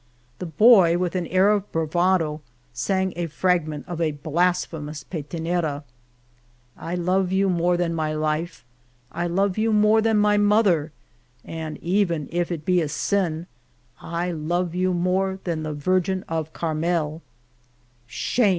The boy, with an air of bravado sang a fragment of a blasphemous petenera : I love you more than my life, I love you more than my mother; And even if it be a sin, I love you more than the Virgin of Carmel. Shame